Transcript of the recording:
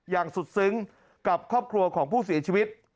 อย่างสุดซึ้งกับครอบครัวของผู้เสียชีวิต